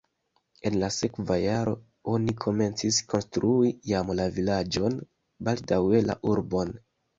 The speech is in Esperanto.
En la sekva jaro oni komencis konstrui jam la vilaĝon, baldaŭe la urbon.